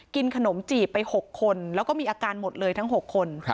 กินขนมจีบไป๖คนแล้วก็มีอาการหมดเลยทั้ง๖คน